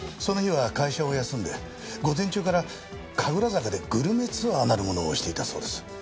その日は会社を休んで午前中から神楽坂でグルメツアーなるものをしていたそうです。